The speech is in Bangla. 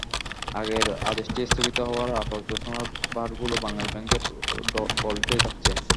আগের আদেশটি স্থগিত হওয়ায় আপাতত সোনার বারগুলো বাংলাদেশ ব্যাংকের ভল্টেই থাকছে।